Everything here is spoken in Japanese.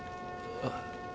ああ。